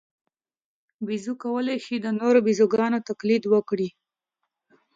بیزو کولای شي د نورو بیزوګانو تقلید وکړي.